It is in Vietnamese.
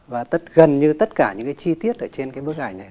và tất gần như tất cả những cái chi tiết ở trên cái bức ảnh này